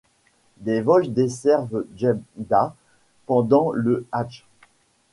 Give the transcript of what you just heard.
Des vols desservent Djeddah pendant le hajj.